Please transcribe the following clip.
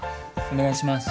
お願いします。